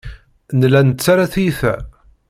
Nella nettarra tiyita.